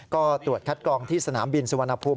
ก็ตรวจคัดกรองที่สนามบินสุวรรณภูมิ